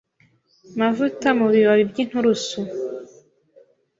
mavuta mu bibabi by’inturusu